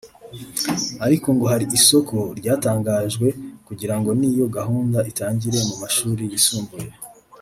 ariko ngo hari isoko ryatangajwe kugira ngo n’iyo gahunda itangire mu mashuri yisumbuye